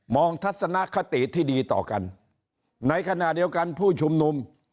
ทัศนคติที่ดีต่อกันในขณะเดียวกันผู้ชุมนุม